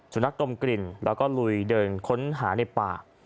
นักดมกลิ่นแล้วก็ลุยเดินค้นหาในป่า